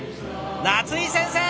夏井先生！